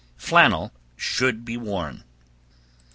Flannel should be worn.